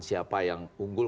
siapa yang unggul